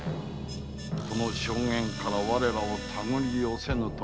その証言から我らをたぐり寄せぬとも限らぬ。